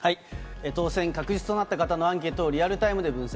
当選確実となった方のアンケートをリアルタイムで分析。